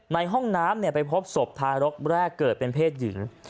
ในห้องน้ำไปพบศพทารกแรกเกิดเป็นเพศหญิง